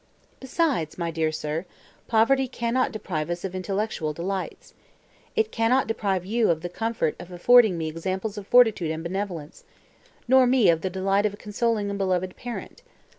"Besides, my dear sir, poverty cannot deprive us of intellectual delights. It cannot deprive you of the comfort of affording me examples of fortitude and benevolence; nor me of the delight of consoling a beloved parent.